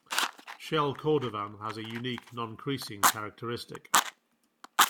Shell cordovan has a unique non-creasing characteristic.